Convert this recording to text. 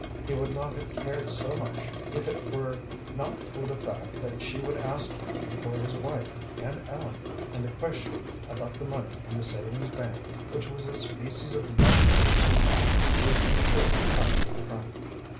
He would not have cared so much, if it were not for the fact that she would ask him before his wife and Ellen, and the question about the money in the savings bank, which was a species of nightmare to him, would be sure to come to the front.